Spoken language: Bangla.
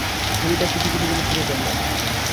ছবিটা কুটিকুটি করে ছিঁড়ে ফেললেন।